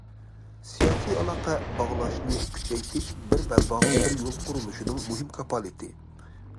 سىياسىي ئالاقە باغلاشنى كۈچەيتىش‹‹ بىر بەلباغ، بىر يول›› قۇرۇلۇشىنىڭ مۇھىم كاپالىتى.